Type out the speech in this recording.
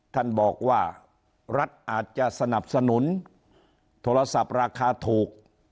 ท่านบอกว่ารัฐอาจจะสนับสนุนโทรศัพท์ราคาถูก